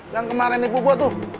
yang kemarin ibu gue tuh